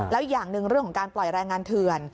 แล้วอย่างหนึ่งเรื่องของการปล่อยแรงงานเถื่อน